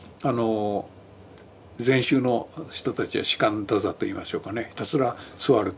禅宗の人たちは只管打坐といいましょうかねひたすら座ると。